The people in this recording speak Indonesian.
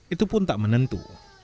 itu pun tak menentu